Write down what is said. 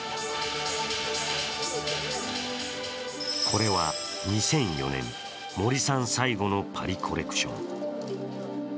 これは２００４年、森さん最後のパリコレクション。